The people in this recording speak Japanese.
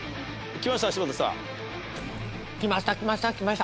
きましたよ。